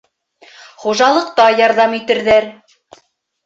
Хужалыҡта ярҙам итерҙәр.